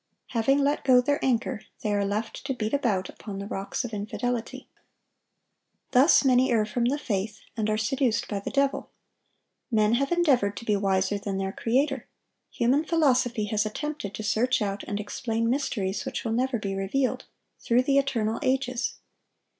Having let go their anchor, they are left to beat about upon the rocks of infidelity. Thus many err from the faith, and are seduced by the devil. Men have endeavored to be wiser than their Creator; human philosophy has attempted to search out and explain mysteries which will never be revealed, through the eternal ages.